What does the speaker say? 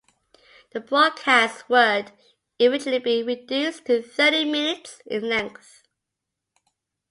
The broadcast would eventually be reduced to thirty minutes in length.